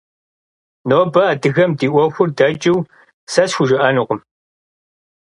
Нобэ адыгэм ди Ӏуэхур дэкӀыу сэ схужыӀэнукъым.